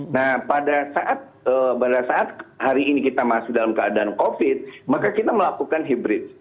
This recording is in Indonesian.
nah pada saat hari ini kita masih dalam keadaan covid maka kita melakukan hybrid